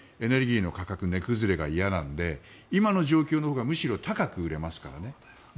彼らはエネルギーの値崩れが嫌なので今の状況のほうが高く売れますからね。